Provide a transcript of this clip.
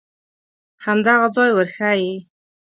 همدغه ځای ورښیې.